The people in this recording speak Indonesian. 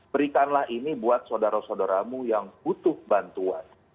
berikanlah ini buat saudara saudaramu yang butuh bantuan